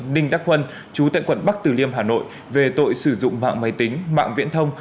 ninh đắc huân chú tại quận bắc tử liêm hà nội về tội sử dụng mạng máy tính mạng viễn thông